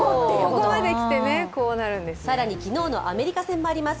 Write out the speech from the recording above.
更に昨日のアメリカ戦もあります